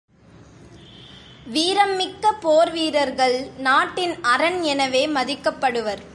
வீரம் மிக்க போர்வீரர்கள் நாட்டின் அரண் எனவே மதிக்கப்படுவர்.